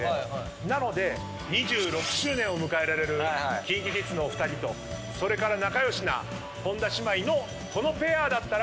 なので２６周年を迎えられるＫｉｎＫｉＫｉｄｓのお二人とそれから仲良しな本田姉妹のこのペアだったら。